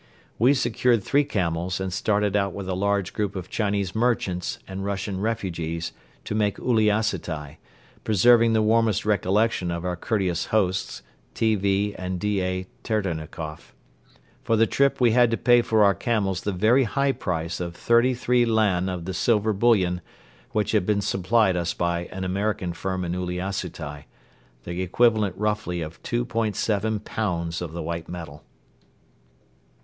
We secured three camels and started out with a large group of Chinese merchants and Russian refugees to make Uliassutai, preserving the warmest recollections of our courteous hosts, T. V. and D. A. Teternikoff. For the trip we had to pay for our camels the very high price of 33 lan of the silver bullion which had been supplied us by an American firm in Uliassutai, the equivalent roughly of 2.7 pounds of the white metal.